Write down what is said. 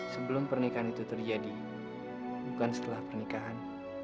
sebelum pernikahan itu terjadi bukan setelah pernikahan